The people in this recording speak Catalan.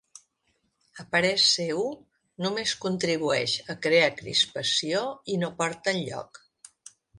A parer seu, només contribueix a ‘crear crispació i no porta enlloc’.